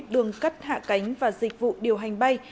đường cất hạ cánh và dịch vụ điều hành bay